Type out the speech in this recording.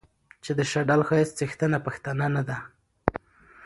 چې د شډل ښايست څښتنه پښتنه نه ده